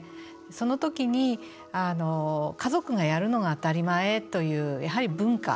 その時に、家族がやるのが当たり前という、やはり文化。